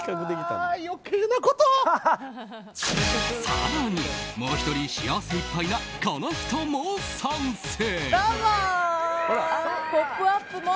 更にもう１人幸せいっぱいなこの人も参戦。